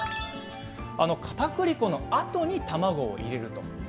かたくり粉のあとに卵を入れると。